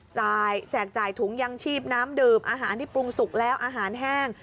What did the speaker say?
แจกจ่ายถุงยังชีพน้ำดื่มอาหารที่ปรุงสุกแล้วอาหารแห้ง